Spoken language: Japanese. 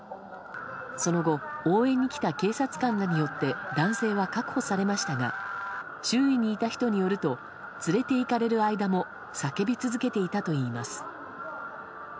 その後応援に来た警察官らによって男性は確保されましたが周囲にいた人によると連れていかれる間も叫び続けていたといいます。